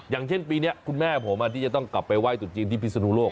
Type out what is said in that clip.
อย่างเช่นปีนี้คุณแม่ผมที่จะต้องกลับไปไห้ตุ๋จีนที่พิศนุโลก